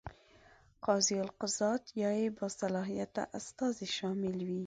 قاضي القضات یا یې باصلاحیت استازی شامل وي.